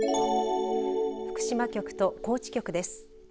福島局と高知局です。